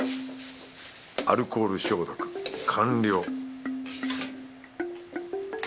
アルコール消毒完了